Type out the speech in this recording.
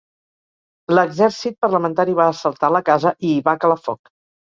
L'exercit parlamentari va assaltar la casa i hi va calar foc.